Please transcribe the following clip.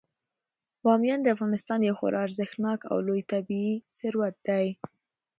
بامیان د افغانستان یو خورا ارزښتناک او لوی طبعي ثروت دی.